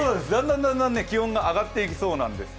だんだん気温が上がっていきそうなんです。